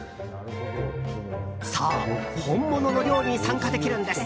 そう、本物の漁に参加できるんです。